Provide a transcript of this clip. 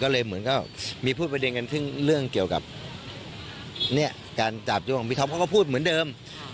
เรื่องเกี่ยวกับการจาบโยงแหกคือพี่ท็อปก็พูดเหมือนเดิม